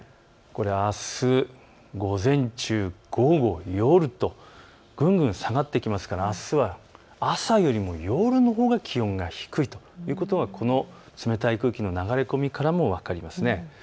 これ、あす午前中、午後、夜とぐんぐん下がってきますからあすは朝よりも夜のほうが気温が低いということがこの冷たい空気の流れ込みからも分かります。